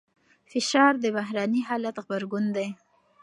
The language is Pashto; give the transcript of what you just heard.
فشار د بهرني حالت غبرګون دی.